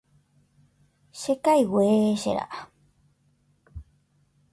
Chekaigue, che ra'a.